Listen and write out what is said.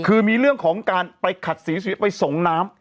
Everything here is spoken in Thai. คือมีเรื่องของการไปขัดสีไปส่งน้ำ